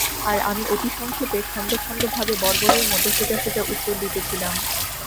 আর আমি অতি সংক্ষেপে খণ্ড খণ্ড ভাবে বর্বরের মতো সোজা সোজা উত্তর দিতেছিলাম।